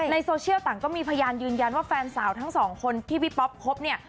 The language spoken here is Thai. ในโซเชียลต่างก็มีพยานยืนยันว่าแฟนสาวทั้งสองคนที่พี่ป๊อปพบเนี่ย